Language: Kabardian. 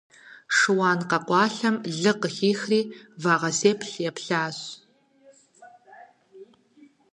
Шыуан къэкъуалъэм лы къыхихри, вагъэсеплъ еплъащ.